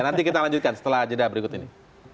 nanti kita lanjutkan setelah jeda berikut ini